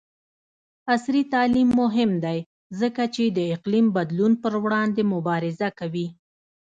عصري تعلیم مهم دی ځکه چې د اقلیم بدلون پر وړاندې مبارزه کوي.